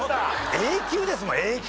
Ａ級ですもんＡ級。